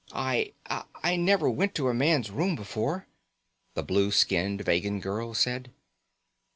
"I I never went to a man's room before," the blue skinned Vegan girl said.